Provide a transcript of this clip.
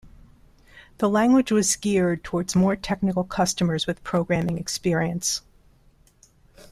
The language was geared towards more technical customers with programming experience.